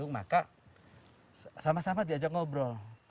maka sama sama diajak ngobrol